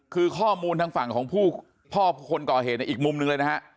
คือข้อมูลทางฝั่งของผู้พ่อคนก่อเหตุในอีกมุมหนึ่งเลยนะฮะ